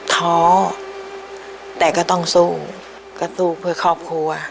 ท้อแต่ก็ต้องสู้ก็สู้เพื่อครอบครัว